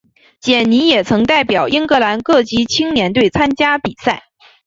简尼也曾代表英格兰各级青年队参加比赛。